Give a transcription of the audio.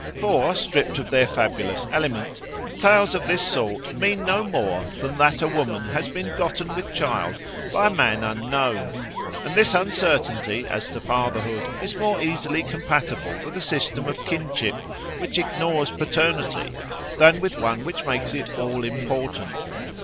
For, stripped of their fabulous element, tales of this sort mean no more than that a woman has been gotten with child by a man unknown; and this uncertainty as to fatherhood is more easily compatible with a system of kinship which ignores paternity than with one which makes it all important.